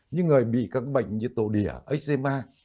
nhưng người bị các bệnh như tổ đỉa eczema